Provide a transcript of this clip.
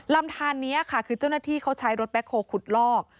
ลำทานนี้ค่ะคือเจ้าหน้าที่เขาใช้รถแบ็คโฮลขุดลอก